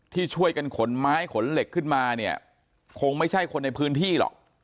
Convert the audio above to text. ที่ช่วยกันขนไม้ขนเหล็กขึ้นมาเนี่ยคงไม่ใช่คนในพื้นที่หรอก